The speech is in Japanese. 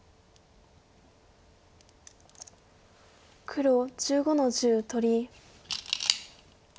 黒１５の十取り。